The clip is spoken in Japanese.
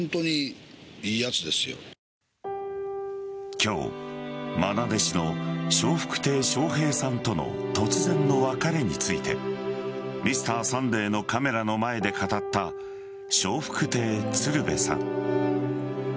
今日、まな弟子の笑福亭笑瓶さんとの突然の別れについて「Ｍｒ．サンデー」のカメラの前で語った笑福亭鶴瓶さん。